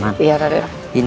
bawa dia ke pen